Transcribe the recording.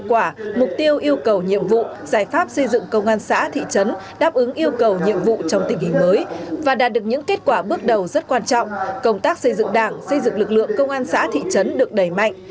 các công tác xây dựng đảng xây dựng lực lượng công an xã thị trấn được đẩy mạnh